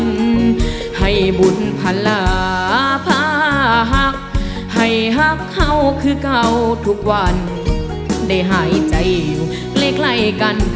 ได้หายใจอยู่ใกล้ใกล้กัน